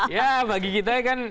ya bagi kita kan